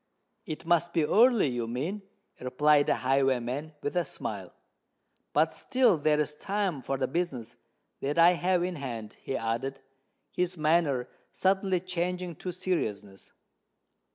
"It must be early, you mean," replied the highwayman, with a smile. "But still there is time for the business that I have in hand," he added, his manner suddenly changing to seriousness.